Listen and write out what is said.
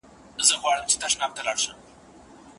ازار باید ونه سي.